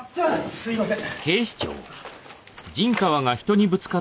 すいません。